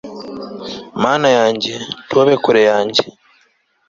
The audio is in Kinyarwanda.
mana yanjye, ntube kure yanjye